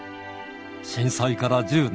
震災から１０年。